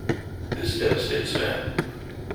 This devastates Matt.